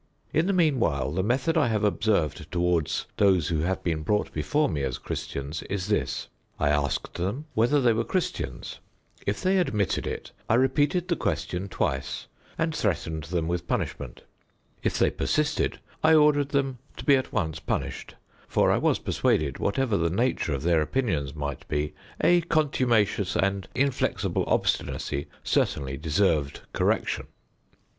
In the meanwhile, the method I have observed towards those who have been brought before me as Christians is this: I asked them whether they were Christians; if they admitted it, I repeated the question twice, and threatened them with punishment; if they persisted, I ordered them to be at once punished: for I was persuaded, whatever the nature of their opinions might be, a contumacious and inflexible obstinacy certainly deserved correction.